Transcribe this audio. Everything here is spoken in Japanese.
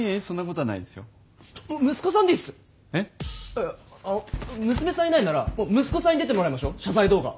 いやあの娘さんいないならもう息子さんに出てもらいましょう謝罪動画。